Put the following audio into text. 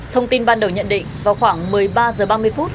thông tin ban đầu nhận định vào khoảng một mươi ba h ba mươi phút